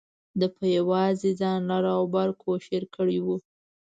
ده په یوازې ځان لر او بر کوشیر کړی و.